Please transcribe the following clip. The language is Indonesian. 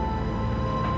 kava masih banyak yang jagain